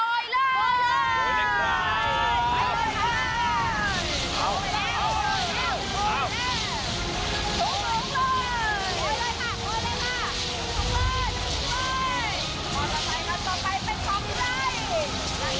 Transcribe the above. โทษเลยโทษเลยค่ะโทษเลยค่ะโทษเลยโทษเลย